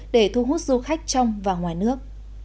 để thu hút du khách trong và ngoài nước